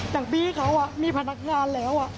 อย่างพี่เขามีพนักงานแล้ว